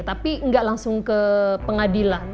tapi nggak langsung ke pengadilan